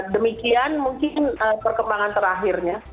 demikian mungkin perkembangan terakhirnya